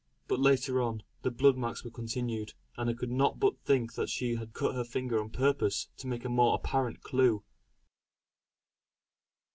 But later on, the blood marks were continued, and I could not but think that she had cut her fingers on purpose to make a more apparent clue.